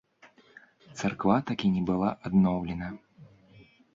Царква так і не была адноўлена.